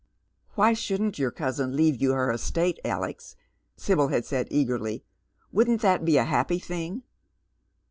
"Why shouldn't your cousin leave you her estate, Alex?" Sibyl had said eagerly. " Wouldn't that be a happy thing